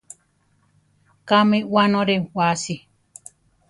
¿Kámi wánore wasi?